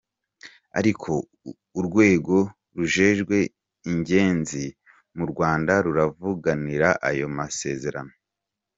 Ariko urwego rujejwe ingenzi mu Rwanda ruravuganira ayo masezerano.